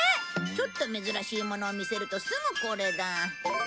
ちょっと珍しいものを見せるとすぐこれだ。